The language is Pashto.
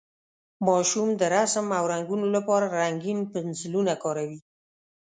ماشومان د رسم او رنګولو لپاره رنګین پنسلونه کاروي.